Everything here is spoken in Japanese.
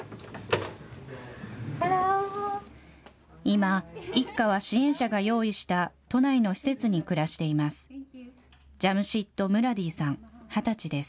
今、一家は支援者が用意した都内の施設に暮らしています。